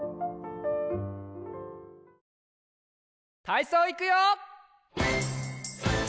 たいそういくよ！